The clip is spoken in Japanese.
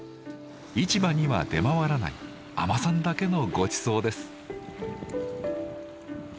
市場には出回らない海女さんだけのごちそうです。